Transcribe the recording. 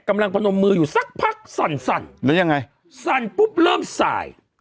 พนมมืออยู่สักพักสั่นสั่นแล้วยังไงสั่นปุ๊บเริ่มสาย